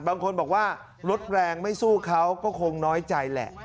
บางคนบอกว่ารถแรงไม่สู้เขาก็คงน้อยใจแหละ